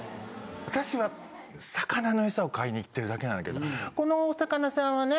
私は魚のエサを買いに行ってるだけなんだけどこのお魚さんはね